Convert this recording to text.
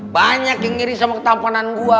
banyak yang ngiri sama ketampanan gue